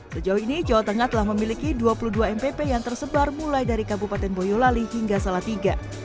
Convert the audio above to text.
sejauh ini jawa tengah telah memiliki dua puluh dua mpp yang tersebar mulai dari kabupaten boyolali hingga salatiga